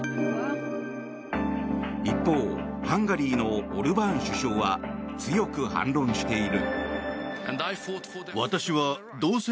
一方ハンガリーのオルバーン首相は強く反論している。